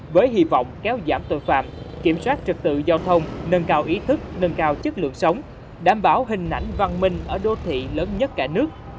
với hy vọng kéo giảm tội phạm kiểm soát trực tự giao thông nâng cao ý thức nâng cao chất lượng sống đảm bảo hình ảnh văn minh ở đô thị lớn nhất cả nước